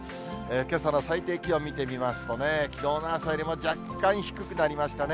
けさの最低気温見てみますとね、きのうの朝よりも若干低くなりましたね。